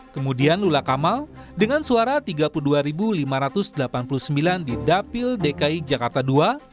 kemudian lula kamal dengan suara tiga puluh dua lima ratus delapan puluh sembilan di dapil dki jakarta ii